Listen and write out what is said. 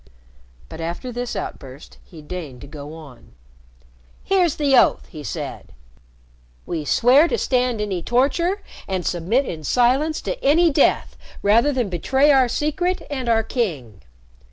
But after this outburst, he deigned to go on. "Here's the oath," he said. "We swear to stand any torture and submit in silence to any death rather than betray our secret and our king.